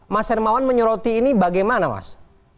mas hermawan menyoroti ini bagaimana mas